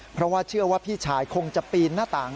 เพราะว่าเชื่อว่าพี่ชายคงจะปีนหน้าต่าง